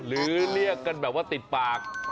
เรียกกันแบบว่าติดปาก